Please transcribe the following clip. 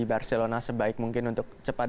barcelona sebaik mungkin untuk cepat